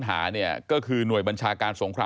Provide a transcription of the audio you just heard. ตอนนี้ก็ยังทำงานอยู่นะครับ